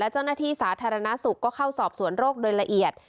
เจ้าหน้าที่สาธารณสุขก็เข้าสอบสวนโรคโดยละเอียด